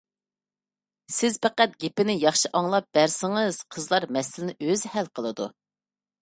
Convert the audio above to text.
سىز پەقەت گېپىنى ياخشى ئاڭلاپ بەرسىڭىز، قىزلار مەسىلىنى ئۆزى ھەل قىلىدۇ.